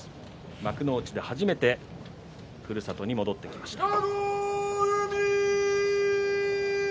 幕内で初めてふるさとに戻ってきました。